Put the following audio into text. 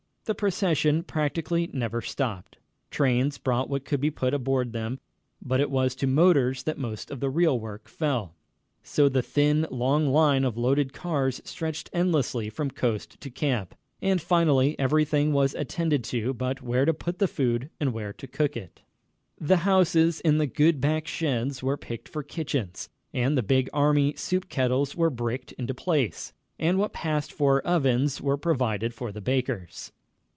The procession practically never stopped. Trains brought what could be put aboard them, but it was to motors that most of the real work fell. So the thin, long line of loaded cars stretched endlessly from coast to camp, and finally everything was attended to but where to put the food and where to cook it. The houses with the good back sheds were picked for kitchens, and the big army soup kettles were bricked into place, and what passed for ovens were provided for the bakers.